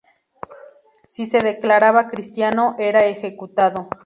Si se declaraba cristiano, era ejecutado.